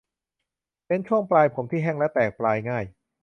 เน้นช่วงปลายผมที่แห้งและแตกปลายง่าย